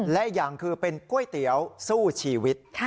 และอีกอย่างคือเป็นก๋วยเตี๋ยวสู้ชีวิต